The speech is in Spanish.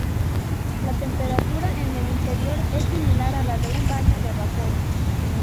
La temperatura en el interior es similar a la de un baño de vapor.